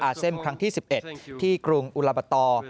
อาเซ่มครั้งที่๑๑ที่กรุงอุลาบาตอร์